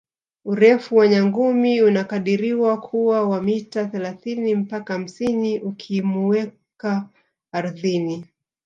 Urefu wa nyangumi unakadiriwa kuwa wa mita thelathini mpaka hamsini ukimuweka ardhini